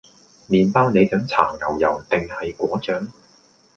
麵包你想搽牛油定係果醬？